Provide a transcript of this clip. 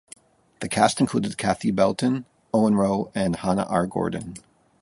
The cast included Cathy Belton, Owen Roe, and Hannah R. Gordon.